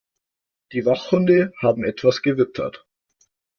Die Wachhunde haben etwas gewittert.